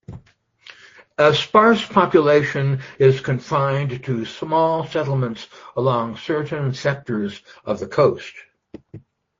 A sparse population is confined to small settlements along certain sectors of the coast.